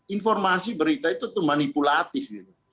informasi berita itu tuh manipulatif gitu